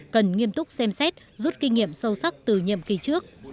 cần nghiêm túc xem xét rút kinh nghiệm sâu sắc từ nhiệm kỳ trước